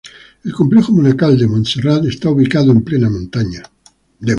El complejo monacal de Montserrat está ubicado en plena montaña.